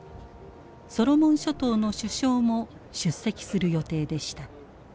ソロモン諸島の首相も出席する予定でした。